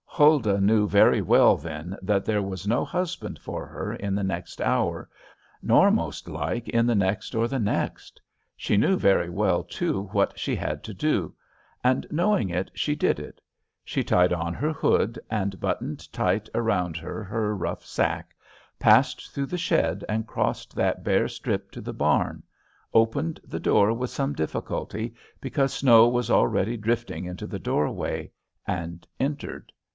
Huldah knew very well then that there was no husband for her in the next hour, nor most like in the next or the next. She knew very well too what she had to do; and, knowing it, she did it. She tied on her hood, and buttoned tight around her her rough sack, passed through the shed and crossed that bare strip to the barn, opened the door with some difficulty, because snow was already drifting into the doorway, and entered.